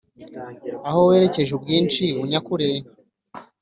aho werekeje ubwinshi unyakure.